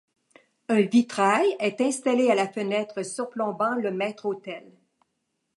Un vitrail est installé à la fenêtre surplombant le maître-autel.